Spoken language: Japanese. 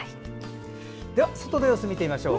外の様子見てみましょう。